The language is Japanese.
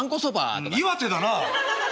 うん岩手だな。